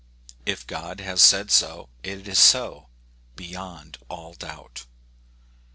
If God has said so, it is so, beyond all doubt.